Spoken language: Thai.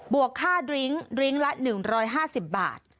วกค่าดริ้งลิ้งละ๑๕๐บาท